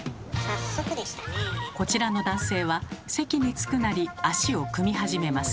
こちらの男性は席につくなり足を組み始めます。